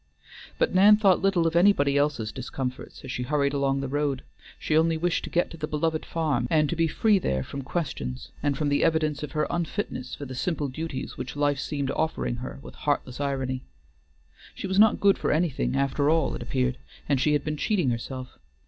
But Nan thought little of anybody else's discomforts as she hurried along the road; she only wished to get to the beloved farm, and to be free there from questions, and from the evidences of her unfitness for the simple duties which life seemed offering her with heartless irony. She was not good for anything after all, it appeared, and she had been cheating herself.